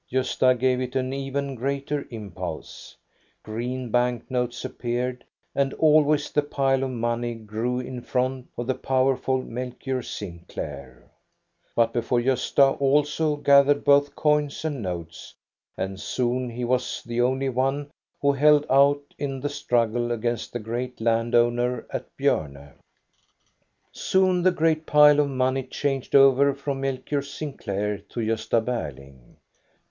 Gosta gave it an even greater impulse. Green bank notes appeared, and always the pile of money grew in front of the power ful Melchior Sinclair. But before Gosta also gathered both coins and notes, and soon he was the only one who held out in the struggle against the great land owner at Bjorne. THE BALL AT EKEBY 93 Soon the great pile of money changed over from Melchior Sinclair to Gosta Berling.